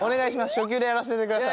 初級でやらせてください。